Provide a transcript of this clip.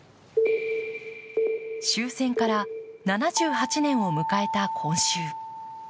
終戦から７８年を迎えた今週。